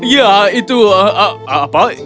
ya itu apa